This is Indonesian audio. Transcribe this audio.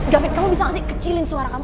david kamu bisa gak sih kecilin suara kamu